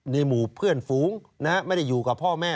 หมู่เพื่อนฝูงไม่ได้อยู่กับพ่อแม่